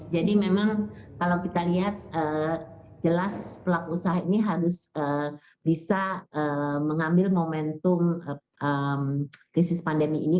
jadi memang kalau kita lihat jelas pelaku usaha ini harus bisa mengambil momentum krisis pandemi ini